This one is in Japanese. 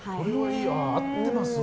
合ってますわ。